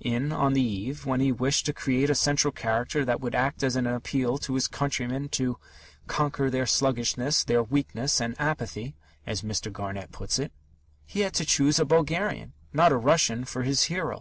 In On the Eve, when he wished to create a central character that would act as an appeal to his countrymen to "conquer their sluggishness, their weakness and apathy" (as Mr. Garnett puts it), he had to choose a Bulgarian, not a Russian, for his hero.